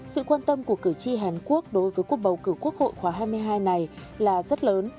sự quan tâm của cử tri hàn quốc đối với cuộc bầu cử quốc hội khóa hai mươi hai này là rất lớn